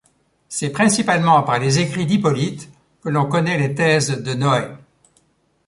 C'est principalement par les écrits d'Hippolyte que l'on connait les thèses de Noët.